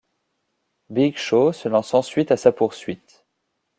Big Show se lance ensuite à sa poursuite.